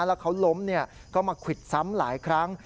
แล้วเขาล้มก็มาควิดซ้ำหลายครั้ง